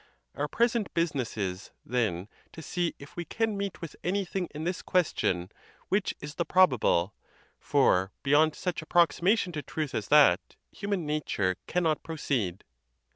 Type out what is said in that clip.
Our present business is, then, to see if we can meet with anything in this question which is the probable, for beyond such ap proximation to truth as that human nature cannot proceed.